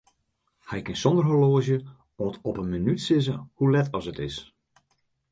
Hy kin sonder horloazje oant op 'e minút sizze hoe let as it is.